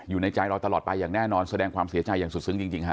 อยู่ในใจเราตลอดไปอย่างแน่นอนแสดงความเสียใจอย่างสุดซึ้งจริงฮะ